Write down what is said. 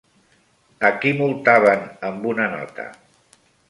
A qui multaven amb una nota?